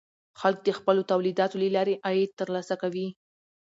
خلک د خپلو تولیداتو له لارې عاید ترلاسه کوي.